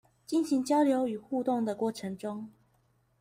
進行交流與互動的過程中